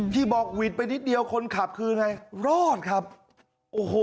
ที่บอกหวิดไปนิดเดียวคนขับคือไงรอดครับโอ้โห